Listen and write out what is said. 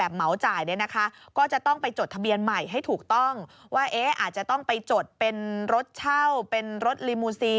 เป็นอย่างไร